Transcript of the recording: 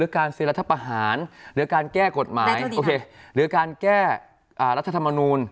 การซื้อรัฐประหารหรือการแก้กฎหมายหรือการแก้รัฐธรรมนูล